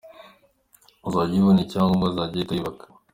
Uzajya abona icyangombwa azajya ahita yubaka.